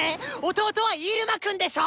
弟はイルマくんでしょ